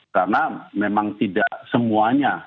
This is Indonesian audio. karena memang tidak semuanya